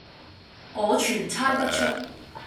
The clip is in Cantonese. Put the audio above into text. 我全猜不出。